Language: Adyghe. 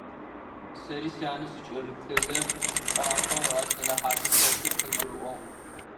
Сэри сянэ сыкӀырыплъызэ, шӀуагъэу а сэнэхьатым хэлъыр къызгурыӀуагъ.